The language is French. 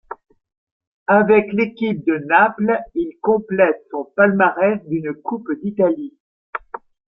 Avec l'équipe de Naples, il complète son palmarès d'une Coupe d'Italie.